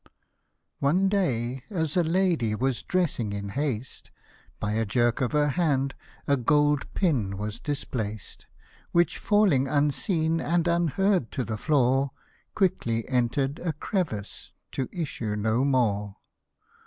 ONE day as a lady was dressing in haste, By a jerk of her hand a gold pin was displaced, Which falling unseen and unheard to the floor, Quickly enter'd a crevice, to issue no more.